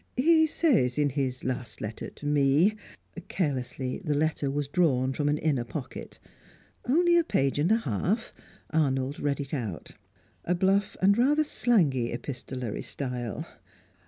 He says in his last letter to me " Carelessly, the letter was drawn from an inner pocket. Only a page and a half; Arnold read it out. A bluff and rather slangy epistolary style.